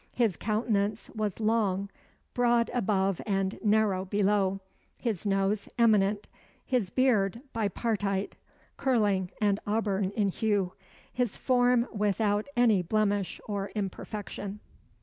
His countenance was long, broad above and narrow below, his nose eminent, his beard bipartite, curling and auburn in hue, his form without any blemish or imperfection....